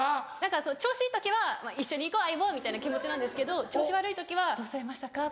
調子いい時は「一緒に行こう相棒」みたいな気持ちなんですけど調子悪い時は「どうされましたか？